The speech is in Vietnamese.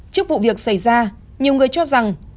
trước vụ việc xảy ra nhiều người cho rằng